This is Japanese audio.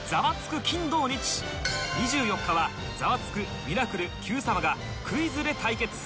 ２４日は『ザワつく！』『ミラクル』『Ｑ さま！！』がクイズで対決